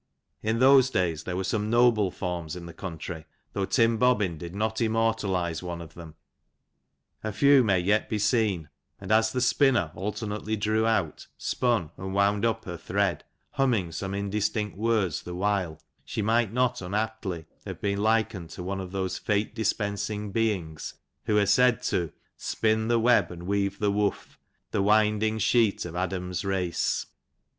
In those days there were some noble forms in the country, though Tim Bobbin did not immortalize one of them ; a few may yet be seen, and as the spinner alternately drew out, spun, and wound up her thread, humming some indistinct words the while, she might not unaptly have been likened to one of those Me dispensing beings who are said to Spin the web, and weaye the woof, *' The winding sheet of Adam's race.